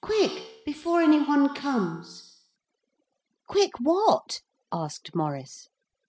Quick, before any one comes.' 'Quick what?' asked Maurice.